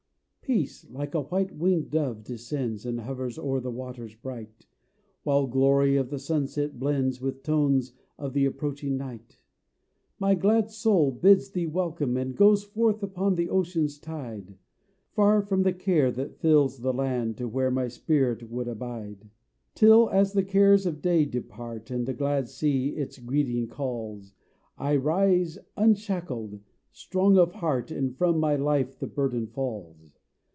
Peace, like a white winged dove descends And hovers o'er the waters bright, While glory of the sunset blends With tones of the approaching night. My glad soul bids thee welcome, and Goes forth upon the ocean's tide! Far from the care that fills the land, To where my spirit would abide! Till, as the cares of day depart And the glad sea its greeting calls, I rise unshackled, strong of heart, And from my life the burden falls!